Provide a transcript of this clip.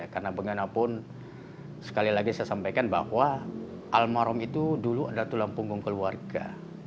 karena bengenapun sekali lagi saya sampaikan bahwa almarhum itu dulu ada tulang punggung keluarga